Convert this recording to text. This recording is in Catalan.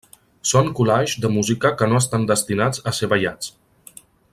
Són collages de música que no estan destinats a ser ballats.